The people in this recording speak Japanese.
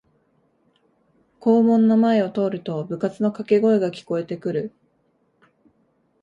校門の前を通ると部活のかけ声が聞こえてくる